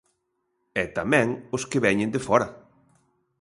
E tamén os que veñen de fóra.